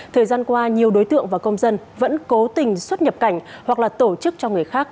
thời gian qua nhiều đối tượng và công dân vẫn cố tình xuất nhập cảnh hoặc là tổ chức cho người khác